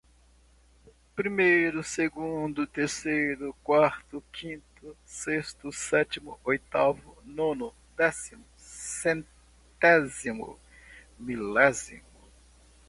primeiro, segundo, terceiro, quarto, quinto, sexto, sétimo, oitavo, nono, décimo, centésimo, milésimo.